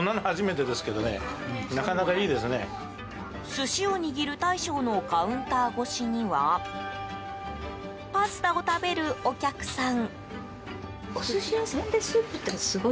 寿司を握る大将のカウンター越しにはパスタを食べるお客さん。